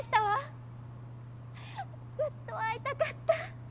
ずっと会いたかった。